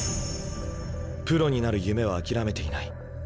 プロになる夢は諦めていない。